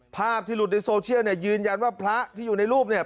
ภาพที่หลุดในโซเชียลเนี่ยยืนยันว่าพระที่อยู่ในรูปเนี่ย